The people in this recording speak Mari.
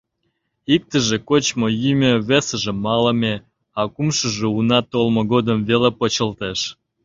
Иктыже — кочмо-йӱмӧ, весыже — малыме, а кумшыжо уна толмо годым веле почылтеш.